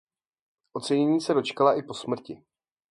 Ocenění se dočkala i po smrti.